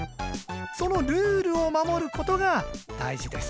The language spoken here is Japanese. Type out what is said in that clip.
そのルールを守ることが大事です。